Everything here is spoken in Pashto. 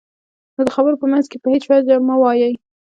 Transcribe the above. نو د خبرو په منځ کې په هېڅ وجه مه وایئ.